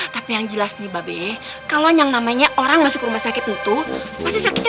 tapi yang jelas nih mbak be kalau yang namanya orang masuk rumah sakit utuh masih sakitnya